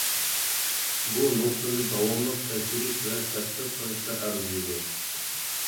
بۇ نۇقتىنى داۋاملىق تەكشۈرۈش ۋە تەتقىق قىلىشقا ئەرزىيدۇ.